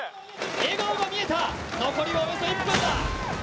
笑顔が見えた残りおよそ１分だ。